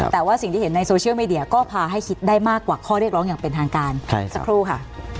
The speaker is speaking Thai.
แต่ว่าสิ่งที่เห็นในโซเชียลมีเดียก็พาให้คิดได้มากกว่าข้อเรียกร้องอย่างเป็นทางการสักครู่ค่ะ